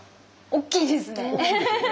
大きいですよね。